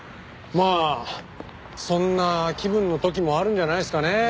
まあそんな気分の時もあるんじゃないですかね。